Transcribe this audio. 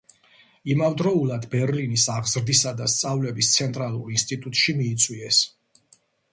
იმავდროულად ბერლინის აღზრდისა და სწავლების ცენტრალურ ინსტიტუტში მიიწვიეს.